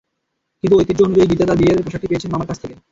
কিন্তু ঐতিহ্য অনুযায়ী গীতা তাঁর বিয়ের পোশাকটি পেয়েছেন মামার কাছ থেকে।